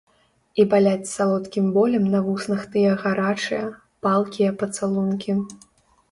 І баляць салодкім болем на вуснах тыя гарачыя, палкія пацалункі.